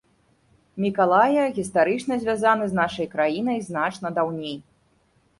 Мікалая гістарычна звязаны з нашай краінай значна даўней.